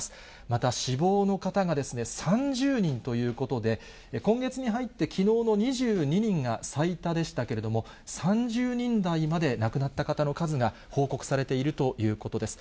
また死亡の方が３０人ということで、今月に入ってきのうの２２人が最多でしたけれども、３０人台まで亡くなった方の数が報告されているということです。